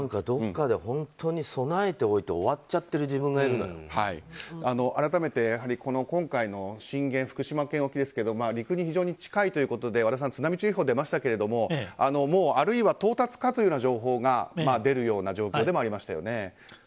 どこかで本当に備えておいて終わっちゃっている改めて、やはり今回の震源福島県沖ですけど陸に非常に近いということで和田さん津波注意報が出ましたがあるいは到達かというような情報が出るような状況でもありましたよね。